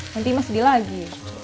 nanti emas sedih lagi